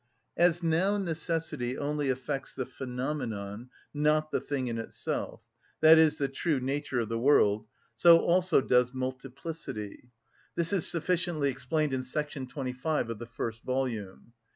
As now necessity only affects the phenomenon, not the thing in itself, i.e., the true nature of the world, so also does multiplicity. This is sufficiently explained in § 25 of the first volume.